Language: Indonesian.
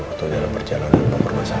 waktu dalam perjalanan pemerintah